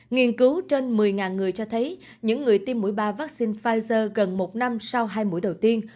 nghiên cứu trên một mươi người cho thấy những người tiêm mũi ba vaccine pfizer gần một năm sau hai mũi đầu tiên